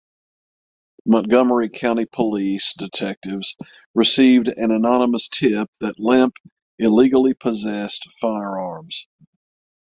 Montgomery County Police detectives received an anonymous tip that Lemp illegally possessed firearms.